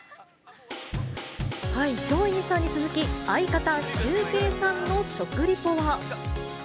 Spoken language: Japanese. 松陰寺さんに続き、相方、シュウペイさんの食リポは。